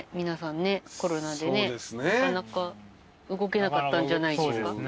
皆さんねコロナでねなかなか動けなかったんじゃないですか？